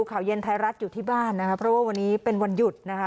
ข่าวเย็นไทยรัฐอยู่ที่บ้านนะคะเพราะว่าวันนี้เป็นวันหยุดนะคะ